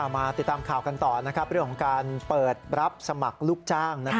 มาติดตามข่าวกันต่อเรื่องของการเปิดรับสมัครลูกจ้าง